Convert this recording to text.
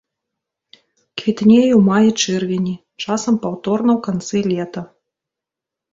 Квітнее ў маі-чэрвені, часам паўторна ў канцы лета.